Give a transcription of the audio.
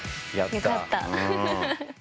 よかった。